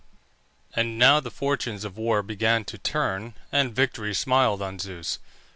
And now the fortunes of war began to turn, and victory smiled on Zeus.